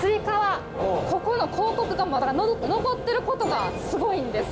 ここの広告がまだ残ってることがすごいんです。